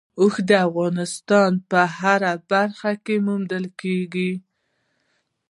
اوښ د افغانستان په هره برخه کې موندل کېږي.